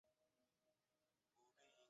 由于故事与电视版多所不同。